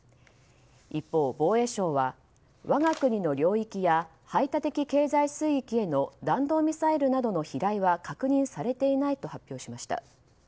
一方、防衛省は我が国の領域や排他的経済水域への弾道ミサイルの飛来は確認されていないと発表しました。